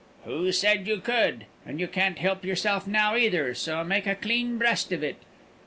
"Who said you could? And you can't help yourself now, either; so make a clean breast of it.